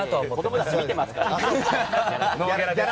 子供たち、見てますから。